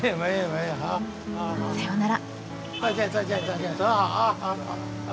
さようなら。